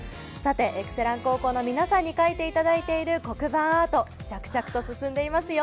エクセラン高校の皆さんに描いていただいている黒板アート、着々と進んでいますよ